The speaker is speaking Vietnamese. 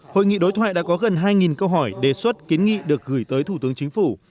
hội nghị đối thoại đã có gần hai câu hỏi đề xuất kiến nghị được gửi tới thủ tướng chính phủ